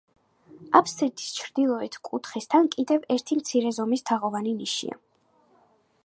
აფსიდის ჩრდილოეთ კუთხესთან კიდევ ერთი მცირე ზომის თაღოვანი ნიშია.